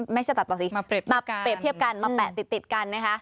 ไม่ใช่ตัดต่อสิมาเปรียบเทียบกันมาเปรียบเทียบกันมาแปะติดติดกันนะคะ